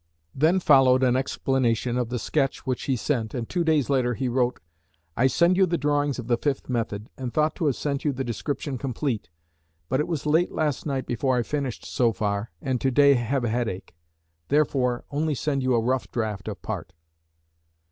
Then followed an explanation of the sketch which he sent, and two days later he wrote, "I send you the drawings of the fifth method, and thought to have sent you the description complete, but it was late last night before I finished so far, and to day have a headache, therefore only send you a rough draft of part."